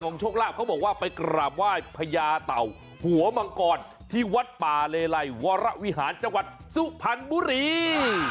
โชคลาภเขาบอกว่าไปกราบไหว้พญาเต่าหัวมังกรที่วัดป่าเลไลวรวิหารจังหวัดสุพรรณบุรี